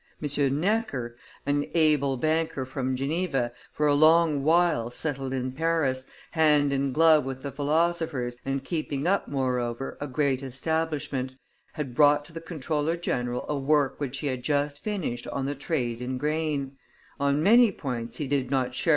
M. Necker, an able banker from Geneva, for a long while settled in Paris, hand and glove with the philosophers, and keeping up, moreover, a great establishment, had brought to the comptroller general a work which he had just finished on the trade in grain; on many points he did not share M.